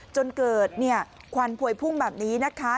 จนเกิดควันพวยพุ่งแบบนี้นะคะ